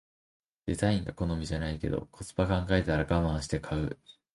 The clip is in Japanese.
デザインが好みじゃないけどコスパ考えたらガマンして買う